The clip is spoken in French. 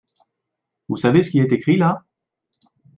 Vous savez ce qui est écrit là ?